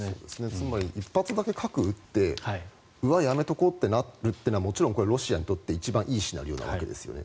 つまり１発だけ核を撃ってうわ、やめておこうとなるのはもちろんこれはロシアにとって一番いいシナリオなわけですよね。